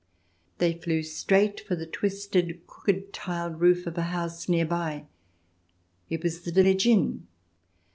They flew straight for the twisted, crooked tiled roof of a house near by. It was the village inn.